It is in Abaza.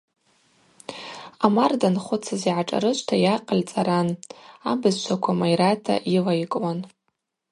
Омар данхвыцыз йгӏашӏарышвта йакъыль цӏаран, абызшваква майрата йылайкӏуан.